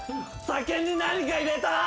酒に何か入れたな！